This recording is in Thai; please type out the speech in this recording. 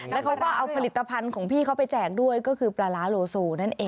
แล้วเขาก็เอาผลิตภัณฑ์ของพี่เขาไปแจกด้วยก็คือปลาร้าโลโซนั่นเอง